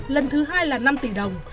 lần thứ hai là năm tỷ đồng